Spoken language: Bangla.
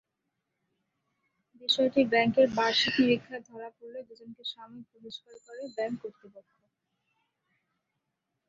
বিষয়টি ব্যাংকের বার্ষিক নিরীক্ষায় ধরা পড়লে দুজনকে সাময়িক বহিষ্কার করে ব্যাংক কর্তৃপক্ষ।